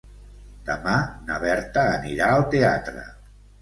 Demà na Berta anirà al teatre.